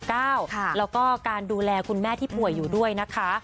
แล้วก็การดูแลคุณแม่ที่ป่วยอยู่ด้วยนะคะ